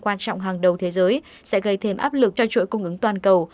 quan trọng hàng đầu thế giới sẽ gây thêm áp lực cho chuỗi cung ứng toàn cầu